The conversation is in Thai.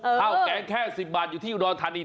เท่าแกงแค่๑๐บาทอยู่ที่อยู่ดอนทานี